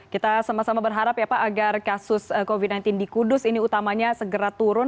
kita sama sama berharap ya pak agar kasus covid sembilan belas di kudus ini utamanya segera turun